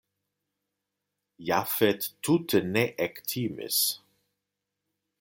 Jafet tute ne ektimis.